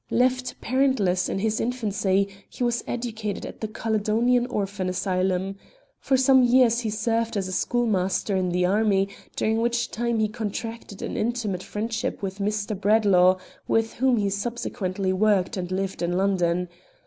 Left parentless in his infancy, he was educated at the Caledonian Orphan Asylum. For some years he served as a schoolmaster in the army, during which time he contracted an intimate friendship with Mr. Bradlaugh, with whom he subsequently worked and lived in London.